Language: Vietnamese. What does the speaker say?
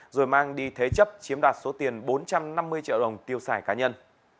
rồi mang đi thế chấp chiếm đoạt số tiền bốn trăm năm mươi triệu đồng tiêu xài cá nhân